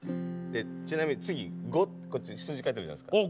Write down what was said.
ちなみに次五ってこっち数字書いてあるじゃないですか。